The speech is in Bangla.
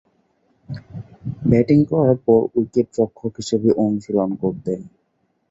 ব্যাটিং করার পর উইকেট-রক্ষক হিসেবে অনুশীলন করতেন।